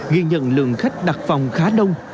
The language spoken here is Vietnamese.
ghi nhận lượng khách đặt phòng khá đông